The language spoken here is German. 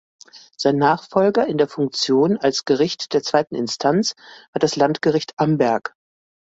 Sein Nachfolger in der Funktion als Gericht der zweiten Instanz war das Landgericht Amberg.